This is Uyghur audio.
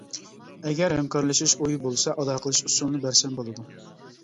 ئەگەر ھەمكارلىشىش ئويى بولسا ئالاقىلىشىش ئۇسۇلىنى بەرسەم بولىدۇ.